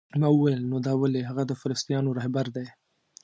ما وویل: نو دا ولې؟ هغه د فلسطینیانو رهبر دی؟